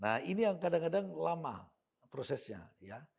nah ini yang kadang kadang lama prosesnya ya